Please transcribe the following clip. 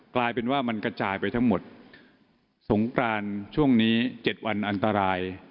กลายเป็นว่ามันกระจายไปทั้งหมดสงกรานช่วงนี้๗วันอันตราย